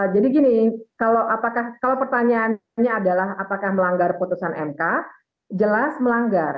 jadi gini kalau pertanyaannya adalah apakah melanggar putusan mk jelas melanggar